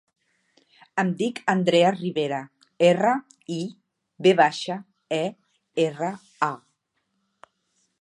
Em dic Andrea Rivera: erra, i, ve baixa, e, erra, a.